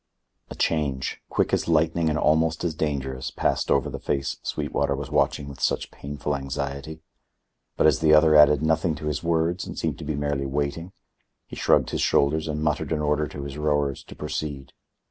A change, quick as lightning and almost as dangerous, passed over the face Sweetwater was watching with such painful anxiety; but as the other added nothing to his words and seemed to be merely waiting, he shrugged his shoulders and muttered an order to his rowers to proceed.